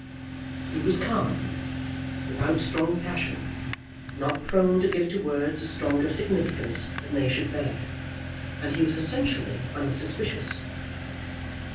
He was calm, without strong passion, not prone to give to words a stronger significance than they should bear; and he was essentially unsuspicious.